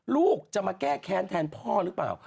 ลูกจะมาแก้แค้นแทนพ่อหรือเปล่า